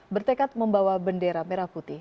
bertekad membawa bendera merah putih